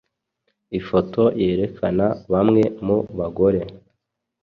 Ifoto yerekana bamwe mu bagore